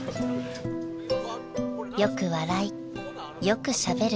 ［よく笑いよくしゃべる石川さん］